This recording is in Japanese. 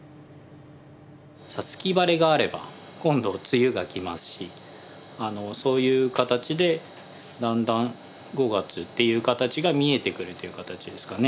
五月晴れがあれば今度梅雨が来ますしそういう形でだんだん５月という形が見えてくるという形ですかね。